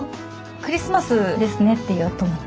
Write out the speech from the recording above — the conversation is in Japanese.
クリスマスですねって言おうと思って。